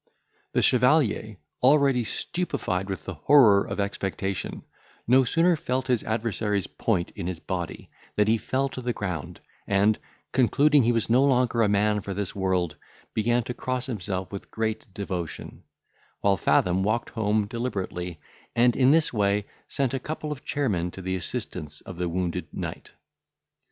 The chevalier, already stupefied with the horror of expectation, no sooner felt his adversary's point in his body than he fell to the ground, and, concluding he was no longer a man for this world, began to cross himself with great devotion; while Fathom walked home deliberately, and in his way sent a couple of chairmen to the assistance of the wounded knight.